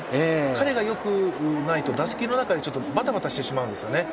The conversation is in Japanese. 彼がよくないと打席の中でバタバタしてしまうんですよね。